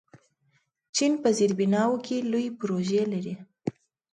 چین په زیربناوو کې لوی پروژې لري.